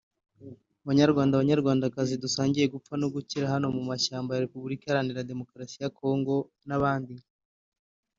Banyarwanda Banyarwandakazi dusangiye gupfa no gukira hano mu mashyamba ya Repuburika Iharanira Demokarasi ya Kongo n’abandi